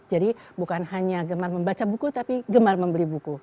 jadi bukan hanya gemar membaca buku tapi gemar membeli buku